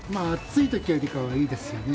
暑いときよりかはいいですよね。